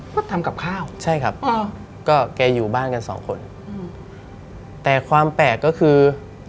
ก็ทำกับข้าวใช่ครับอ๋อก็แกอยู่บ้านกันสองคนอืมแต่ความแปลกก็คือ